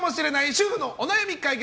主婦のお悩み解決！